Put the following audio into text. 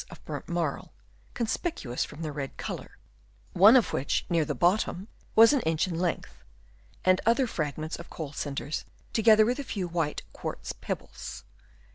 of burnt marl, conspicuous from their red colour, one of which near the bottom was an 136 AMOUNT OF EARTH Chap. III. inch in length ; and other fragments of coal cinders together with a few white quartz pebbles.